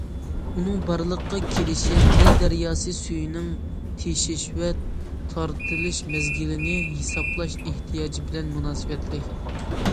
ئۇنىڭ بارلىققا كېلىشى نىل دەرياسى سۈيىنىڭ تېشىش ۋە تارتىلىش مەزگىلىنى ھېسابلاش ئېھتىياجى بىلەن مۇناسىۋەتلىك.